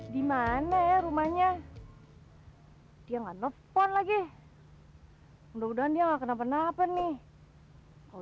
dimana ya rumahnya dia enggak nelfon lagi mudah mudahan dia nggak kenapa napa nih kalau